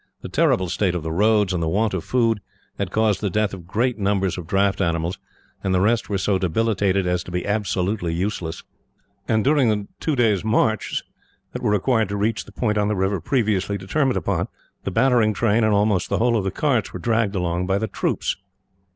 The terrible state of the roads, and the want of food, had caused the death of great numbers of draught animals, and the rest were so debilitated as to be absolutely useless; and during the two days' marches, that were required to reach the point on the river previously determined upon, the battering train, and almost the whole of the carts, were dragged along by the troops.